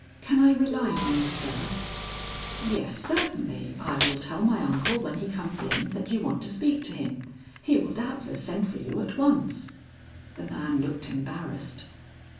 "Can I rely on you, sir?" "Yes, certainly, I will tell my uncle when he comes in that you want to speak to him. He will doubtless send for you at once." The man looked embarrassed.